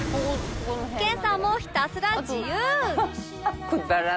研さんもひたすら自由！